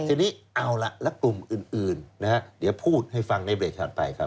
ทีนี้เอาล่ะแล้วกลุ่มอื่นนะฮะเดี๋ยวพูดให้ฟังในเบรกถัดไปครับ